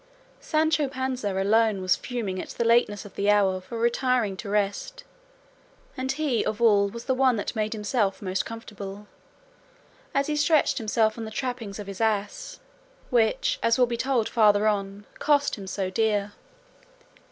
Sancho Panza alone was fuming at the lateness of the hour for retiring to rest; and he of all was the one that made himself most comfortable, as he stretched himself on the trappings of his ass, which, as will be told farther on, cost him so dear.